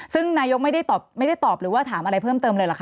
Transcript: ซึ่งนายกรัฐมนตรีไม่ได้ตอบหรือถามอะไรเพิ่มเติมเลยหรือคะ